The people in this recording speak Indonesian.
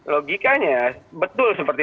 logikanya betul seperti